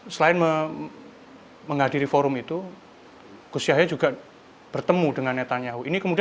selain menghadiri forum itu kusyahi juga bertemu dengan netanyahu